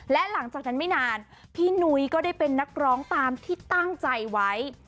และหลังจากนั้นไม่นานพี่นุ้ยก็ได้เป็นนักร้องตามที่ตั้งใจไว้